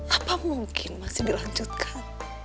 apa mungkin masih dilanjutkan